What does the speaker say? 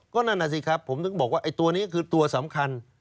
ก็นั่นน่ะสิครับผมถึงบอกว่าไอ้ตัวนี้คือตัวสำคัญ